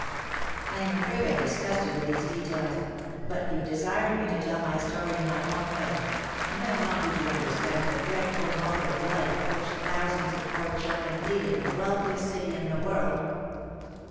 I am afraid I disgust you with these details; but you desired me to tell my story in my own way—and I want you to understand the dreadful mode of life which thousands of poor children lead in the wealthiest city in the world.